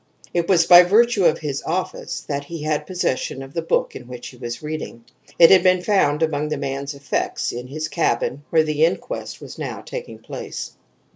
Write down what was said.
It was by virtue of his office that he had possession of the book in which he was reading; it had been found among the dead man's effects in his cabin, where the inquest was now taking place.